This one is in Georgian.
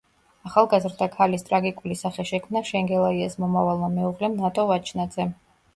ახალგაზრდა ქალის ტრაგიკული სახე შექმნა შენგელაიას მომავალმა მეუღლემ ნატო ვაჩნაძემ.